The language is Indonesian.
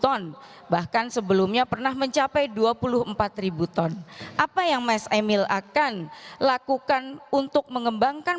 ton bahkan sebelumnya pernah mencapai dua puluh empat ribu ton apa yang mas emil akan lakukan untuk mengembangkan